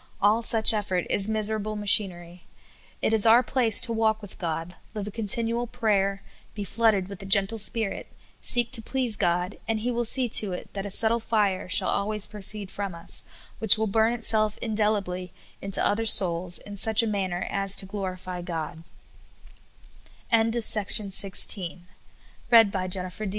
All such effort is miserable machiner} . It is our place to walk with God, live a continual prayer, be flooded with the gentle Spirit, seek to please God, and He will see to it that a subtle fire shall al ways proceed from us, which will burn itself indelibly into other souls in such a manner as t